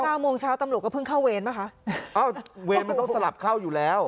เก้าโมงเช้าตำรวจก็เพิ่งเข้าเวรป่ะคะเอ้าเวรมันต้องสลับเข้าอยู่แล้ว